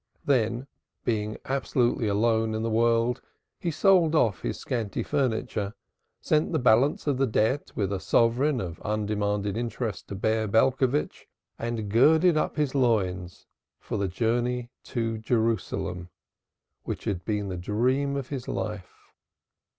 Then, being absolutely alone in the world, he sold off his scanty furniture, sent the balance of the debt with a sovereign of undemanded interest to Bear Belcovitch, and girded up his loins for the journey to Jerusalem, which had been the dream of his life.